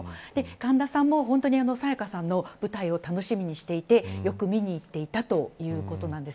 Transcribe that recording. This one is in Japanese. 神田さんも、本当に沙也加さんの舞台を楽しみにしていてよく見に行っていたということなんです。